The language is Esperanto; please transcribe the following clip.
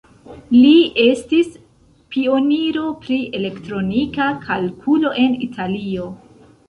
Li estis pioniro pri elektronika kalkulo en Italio.